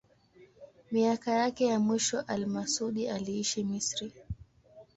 Miaka yake ya mwisho al-Masudi aliishi Misri.